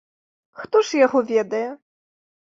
Хто ж яго ведае?